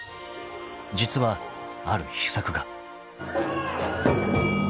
［実はある秘策が］